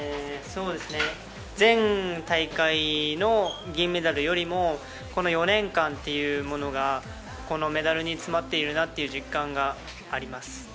前大会の銀メダルよりもこの４年間というものがこのメダルに詰まっているなという実感があります。